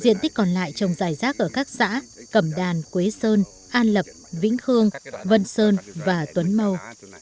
diện tích còn lại trồng dài rác ở các xã cẩm đàn quế sơn an lập vĩnh khương vân sơn và tuấn mâu